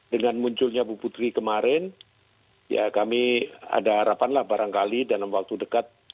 dengan munculnya bu putri kemarin ya kami ada harapan lah barangkali dalam waktu dekat